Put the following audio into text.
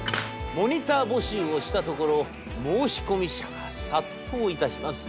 モニター募集をしたところ申し込み者が殺到いたします。